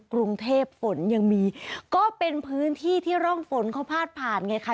กรุงเทพฝนยังมีก็เป็นพื้นที่ที่ร่องฝนเขาพาดผ่านไงค่ะ